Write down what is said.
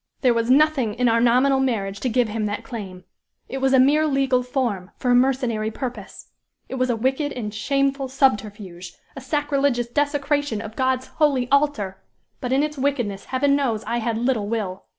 There was nothing in our nominal marriage to give him that claim. It was a mere legal form, for a mercenary purpose. It was a wicked and shameful subterfuge; a sacrilegious desecration of God's holy altar! but in its wickedness heaven knows I had little will!